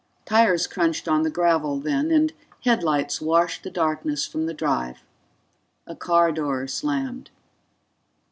Tires crunched on the gravel then, and headlights washed the darkness from the drive. A car door slammed.